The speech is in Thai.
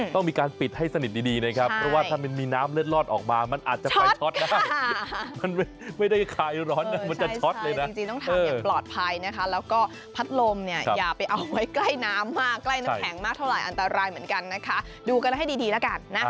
เหมือนกันนะคะดูกันให้ดีแล้วกันนะ